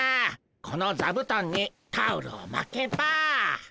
このざぶとんにタオルをまけば。